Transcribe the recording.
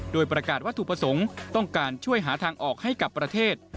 โดยประกาศวัตถุประสงค์ต้องการช่วยหาทางออกให้กับประเทศ